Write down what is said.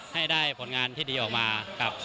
ให้ได้ผลงานที่ดีออกมากับ